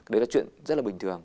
đấy là chuyện rất là bình thường